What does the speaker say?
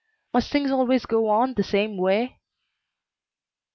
Must things always go on the same way?"